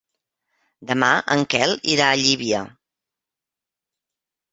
Demà en Quel irà a Llívia.